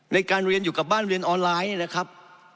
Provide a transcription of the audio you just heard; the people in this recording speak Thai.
ในการเรียนอยู่กับบ้านเรียนออนไลน์เนี่ยนะครับ